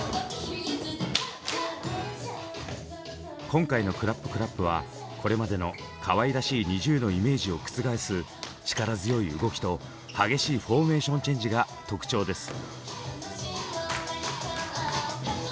今回の「ＣＬＡＰＣＬＡＰ」はこれまでのかわいらしいＮｉｚｉＵのイメージを覆す力強い動きと激しいフォーメーションチェンジが特徴です。